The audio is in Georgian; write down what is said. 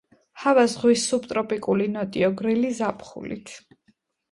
ჰავა ზღვის სუბტროპიკული ნოტიო გრილი ზაფხულით.